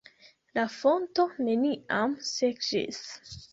La fonto neniam sekiĝis.